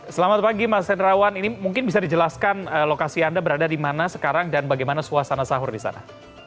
selamat pagi mas hendrawan ini mungkin bisa dijelaskan lokasi anda berada dimana sekarang dan bagaimana suasana sahur disana